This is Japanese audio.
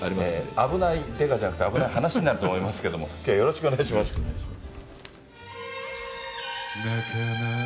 あぶない刑事じゃなくて、危ない話になると思いますけれども、きょうはよろしくお願いしまよろしくお願いします。